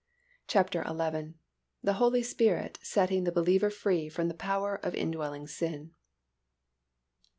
CHAPTER XI. THE HOLY SPIRIT SETTING THE BELIEVER FREE FROM THE POWER OF INDWELLING SIN.